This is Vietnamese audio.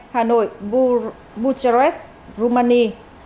hai hà nội bucharest rumani